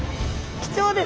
貴重です。